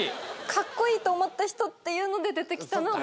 カッコイイと思った人っていうので出てきたのは今野さん。